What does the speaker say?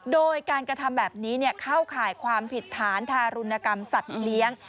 โดยการกระทำแบบนี้เข้าข่ายความผิดฐานทารุณกรรมสัตว์เลี้ยง